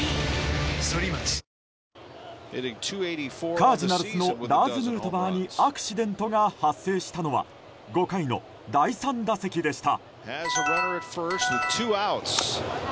カージナルスのラーズ・ヌートバーにアクシデントが発生したのは５回の第３打席でした。